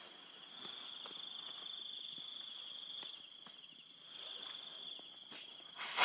พวกเขตที่นี่